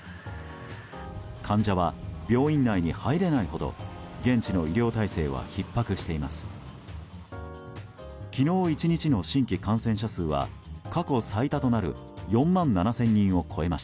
患者は病院内に入れないほど現地の医療体制はひっ迫しています。